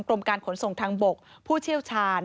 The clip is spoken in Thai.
กรมการขนส่งทางบกผู้เชี่ยวชาญ